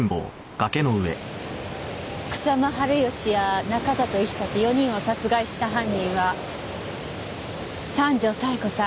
草間治義や中里医師たち４人を殺害した犯人は三条冴子さん